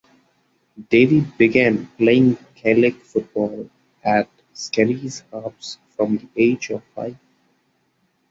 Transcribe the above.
Davey began playing gaelic football at Skerries Harps from the age of five.